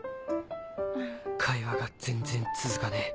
会話が全然続かねえ。